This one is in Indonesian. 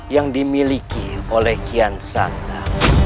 yang dimiliki oleh kian santa